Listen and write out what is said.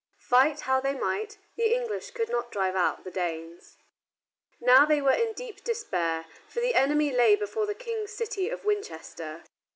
Fight how they might, the English could not drive out the Danes. Now they were in deep despair, for the enemy lay before the King's city of Winchester.